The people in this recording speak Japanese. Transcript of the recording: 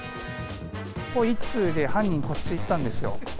ここ一通で、犯人こっち行ったんですよ。